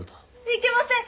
いけません